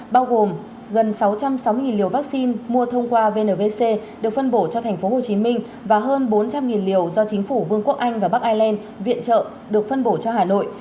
bao gồm gần sáu trăm sáu mươi liều vaccine mua thông qua vnvc được phân bổ cho tp hcm và hơn bốn trăm linh liều do chính phủ vương quốc anh và bắc ireland viện trợ được phân bổ cho hà nội